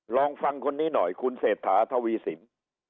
ลองฟังคนนี้หน่อยคุณเศรษฐาทวีสิน